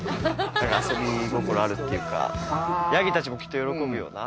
遊び心あるっていうかヤギたちもきっと喜ぶような。